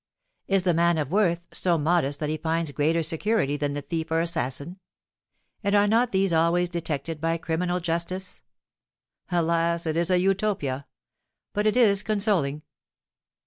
Is the man of worth so modest that he finds greater security than the thief or assassin? and are not these always detected by criminal justice? Alas, it is a utopia, but it is consoling!